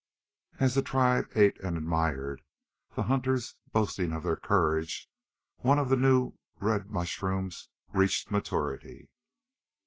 As the tribe ate and admired, the hunters boasting of their courage, one of the new red mushrooms reached maturity.